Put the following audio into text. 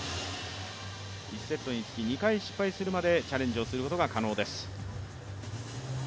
１セットにつき２回失敗するまでチャレンジをすることが可能です。